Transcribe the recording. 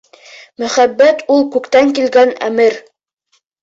— Мөхәббәт ул күктән килгән әмер.